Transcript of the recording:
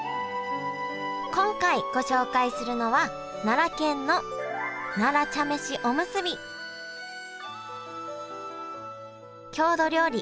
今回ご紹介するのは郷土料理